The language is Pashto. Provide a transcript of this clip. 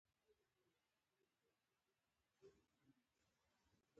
دا انسانان غټ او مزي وو.